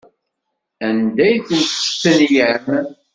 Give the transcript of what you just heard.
Anda ay ten-testenyam?